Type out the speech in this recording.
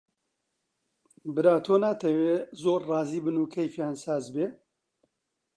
برا تۆ ناتەوێ زۆر ڕازی بن و کەیفیان ساز بێ؟